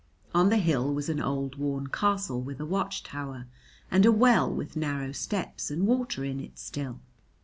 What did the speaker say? On the hill was an old worn castle with a watch tower, and a well with narrow steps and water in it still.